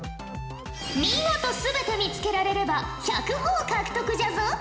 見事全て見つけられれば１００ほぉ獲得じゃぞ。